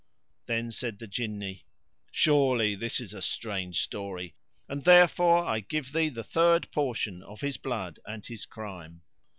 Then said the Jinni, "Surely this is a strange story and therefor I give thee the third portion of his blood and his crime."